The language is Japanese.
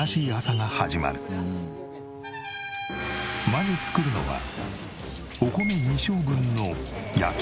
まず作るのはお米２升分の焼き飯。